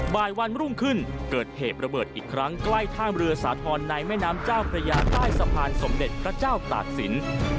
บ่ายวันรุ่งขึ้นเกิดเหตุระเบิดอีกครั้งใกล้ท่ามเรือสาธรณ์ในแม่น้ำเจ้าพระยาใต้สะพานสมเด็จพระเจ้าตากศิลป์